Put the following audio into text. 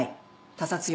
他殺よ。